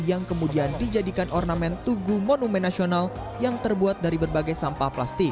yang kemudian dijadikan ornamen tugu monumen nasional yang terbuat dari berbagai sampah plastik